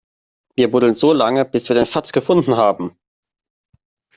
Wir buddeln so lange, bis wir den Schatz gefunden haben!